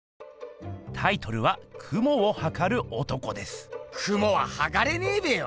タイトルは雲は測れねえべよ！